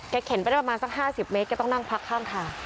เข็นไปได้ประมาณสัก๕๐เมตรแกต้องนั่งพักข้างทาง